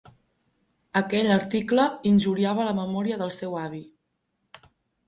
Aquell article injuriava la memòria del seu avi.